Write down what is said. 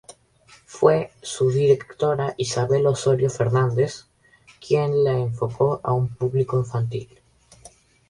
Fue su directora Isabel Osorio Fernández, quien la enfocó a un público infantil.